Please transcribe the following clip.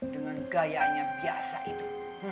dengan gayanya biasa itu